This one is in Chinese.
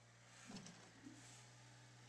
她是美军第三艘以亚利桑那州为名的军舰。